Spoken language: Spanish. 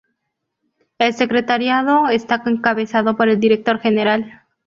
El Secretariado está encabezado por el Director General.